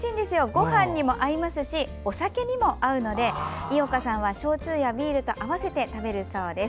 ごはんにも合いますしお酒にも合うので井岡さんは焼酎やビールと合わせて食べるそうです。